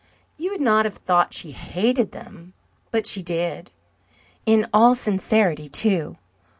You would not have thought she hated them, but she did. In all sincerity, too.